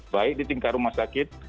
baik di tingkat rumah sakit